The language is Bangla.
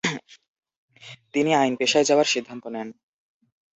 তিনি আইনপেশায় যাওয়ার সিদ্ধান্ত নেন।